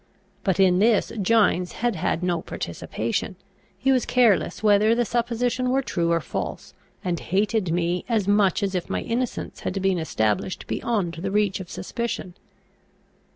But in this Gines had had no participation; he was careless whether the supposition were true or false, and hated me as much as if my innocence had been established beyond the reach of suspicion.